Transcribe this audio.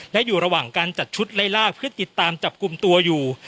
และอยู่ระหว่างการจัดชุดไล่ล่าเพื่อติดตามจับกลุ่มตัวอยู่